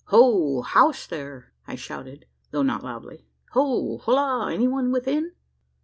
"Ho! house, there!" I shouted, though not loudly; "ho! holloa! any one within?"